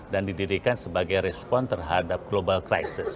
dan didirikan sebagai respon terhadap global crisis